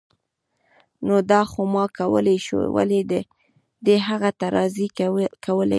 نو دا خو ما کولای شو، ولې دې هغه ته زارۍ کولې